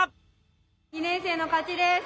２年生の勝ちです。